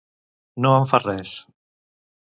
No em fa res.